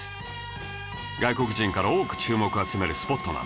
外国人から多く注目を集めるスポットなんです